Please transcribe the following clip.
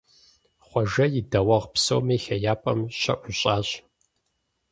Хъуэжэ и дэуэгъу псоми хеяпӏэм щаӀущӀащ.